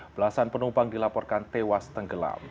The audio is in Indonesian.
belasan penumpang dilaporkan tewas tenggelam